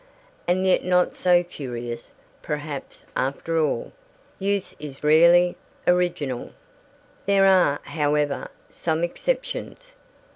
And yet not so curious, perhaps, after all. Youth is rarely original. There are, however, some exceptions.